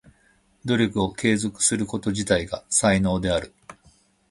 努力を継続すること自体が才能である。